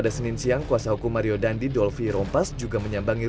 dan kita akan mencoba